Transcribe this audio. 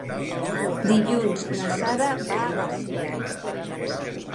Dilluns na Sara va a Garcia.